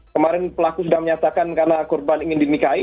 kemarin pelaku sudah menyatakan karena korban ingin dinikahi